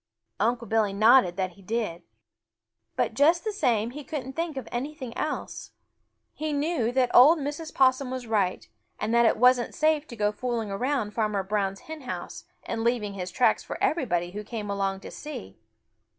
Unc' Billy nodded that he did. But just the same he couldn't think of anything else. He knew that old Mrs. Possum was right, and that it wasn't safe to go fooling around Farmer Brown's hen house and leaving his tracks for everybody who came along to see.